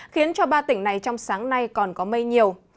khiến cho ba tỉnh này trong sáng nay còn có mây nhiều